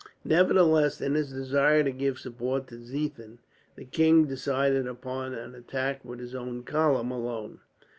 Nevertheless, in his desire to give support to Ziethen, the king decided upon an attack with his own column, alone.